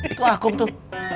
itu akum tuh